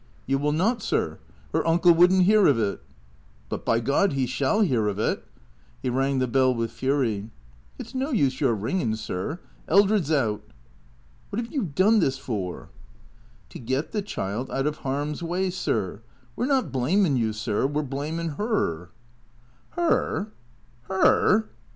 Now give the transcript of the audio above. " You will not, sir. Her uncle would n't hear of it." " But, by God ! he shall hear of it." He rang the bell with fury. " It 's no use your ringin', sir. Eldred 's out." " What have you done this for ?"" To get the child out of harm's way, sir. We 're not blamin' you, sir. We 're blamin' 'er." "Her? Her?"